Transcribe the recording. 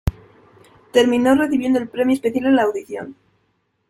Terminó recibiendo el premio especial en la audición.